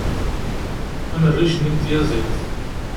am rric-nni n tyaziḍt